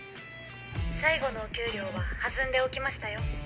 最後のお給料は弾んでおきましたよ。